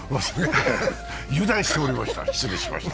油断しておりました。